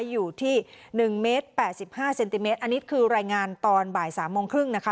อยู่ที่๑เมตร๘๕เซนติเมตรอันนี้คือรายงานตอนบ่าย๓โมงครึ่งนะคะ